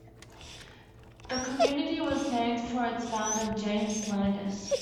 The community was named for its founder, James Landis.